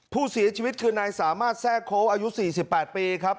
ผู้เสียชีวิตคือนายสามารถแทรกโค้อายุ๔๘ปีครับ